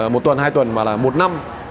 một tuần hai tuần mà là một năm